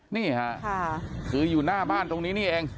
นี่ค่ะคืออยู่หน้าบ้านตรงนี้นี่เอง